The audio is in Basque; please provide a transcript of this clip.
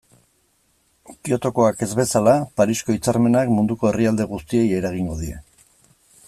Kyotokoak ez bezala, Parisko hitzarmenak munduko herrialde guztiei eragingo die.